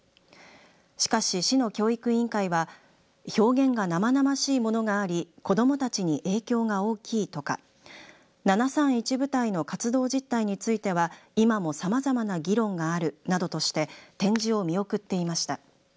しかし、市の教育委員会は表現が生々しいものがあり子どもたちに影響が大きいとか７３１部隊の活動実態については今もさまざまな議論があるなどとして展示を見送っていました。